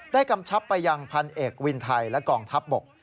กำชับไปยังพันเอกวินไทยและกองทัพบก